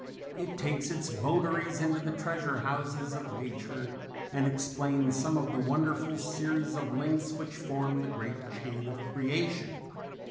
It takes its votaries into the treasure houses of Nature, and explains some of the wonderful series of links which form the great chain of creation.